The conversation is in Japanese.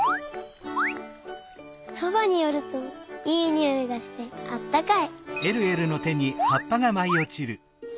そばによるといいにおいがしてあったかい。